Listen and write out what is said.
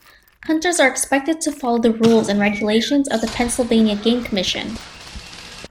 Hunters are expected to follow the rules and regulations of the Pennsylvania Game Commission.